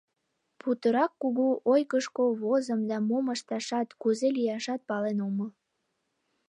Путырак кугу ойгышко возым да мом ышташат, кузе лияшат пален омыл.